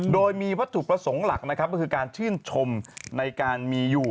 โดยมีวัตถุประสงค์หลักนะครับก็คือการชื่นชมในการมีอยู่